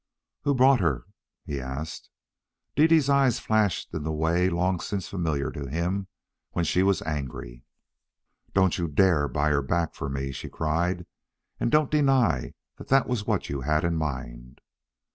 "Who bought her?" he asked. Dede's eyes flashed in the way long since familiar to him when she was angry. "Don't you dare buy her back for me," she cried. "And don't deny that that was what you had in mind."